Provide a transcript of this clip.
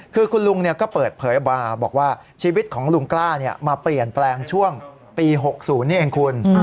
คือคุณลุงก็เปิดเผยออกมาบอกว่าชีวิตของลุงกล้ามาเปลี่ยนแปลงช่วงปี๖๐นี่เองคุณ